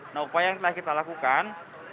nah upaya yang telah kita lakukan